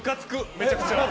めちゃくちゃ。